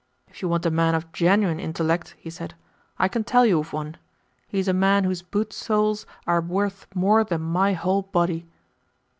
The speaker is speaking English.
"If you want a man of GENUINE intellect," he said, "I can tell you of one. He is a man whose boot soles are worth more than my whole body."